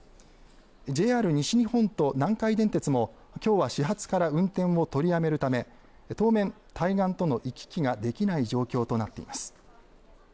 ＪＲ西日本と南海電鉄もきょうは始発から運転を取りやめるため当面、対岸との行き来ができない状況となっています。